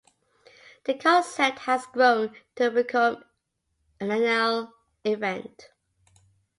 The concept has grown to become an annual event.